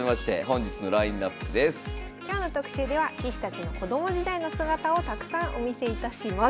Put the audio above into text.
今日の特集では棋士たちの子供時代の姿をたくさんお見せいたします。